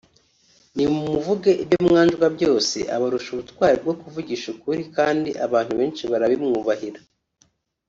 Nimumuvuge ibyo mwanjwa byose abarusha ubutwari bwo kuvugisha ukuri kandi abantu benshi barabimwubahira